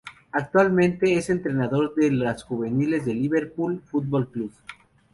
Actualmente es entrenador de las juveniles del Liverpool Fútbol Club.